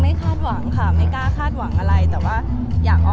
แม็กซ์ก็คือหนักที่สุดในชีวิตเลยจริง